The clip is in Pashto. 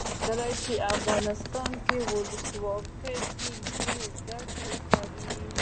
کله چې افغانستان کې ولسواکي وي نجونې زده کړې کوي.